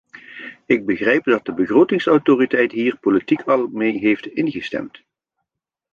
Ik begrijp dat de begrotingsautoriteit hier politiek al mee heeft ingestemd.